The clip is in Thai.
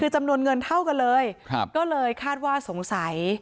คือจำนวนเงินเท่ากันเลยก็เลยคาดว่าสงสัย